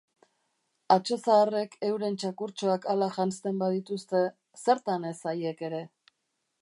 Atso zaharrek euren txakurtxoak hala janzten badituzte, zertan ez haiek ere?